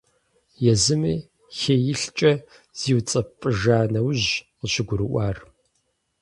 Езыми хеилъкӀэ зиуцӀэпӀыжа нэужьщ къыщыгурыӀуар.